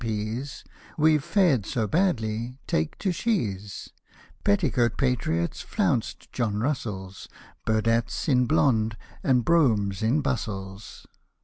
P.'s We've fared so badly, take to she's — Petticoat patriots, flounced John Russells, Burdetts in blonde^ and Broughams in bustles.